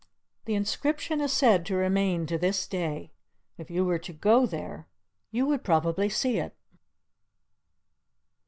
The inscription is said to remain to this day; if you were to go there you would probably see it.